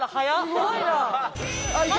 すごいな！